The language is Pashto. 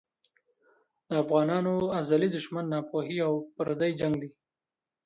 د افغانانو ازلي دښمن ناپوهي او پردی جنګ دی.